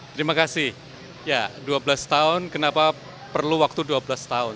terima kasih ya dua belas tahun kenapa perlu waktu dua belas tahun